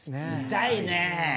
痛いね！